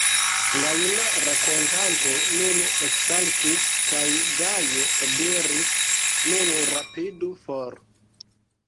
La juna rakontanto nun eksaltis kaj gaje diris: Nun rapidu for.